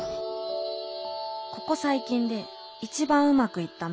ここ最近で一番うまくいったメイク。